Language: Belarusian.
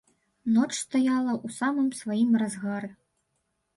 Ноч стаяла ў самым сваім разгары.